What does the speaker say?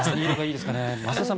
増田さん